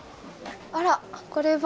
あらこれは。